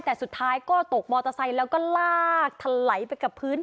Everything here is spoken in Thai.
แต่สุดท้ายก็ตกมอเตอร์ไซค์แล้วก็ลากทะไหลไปกับพื้น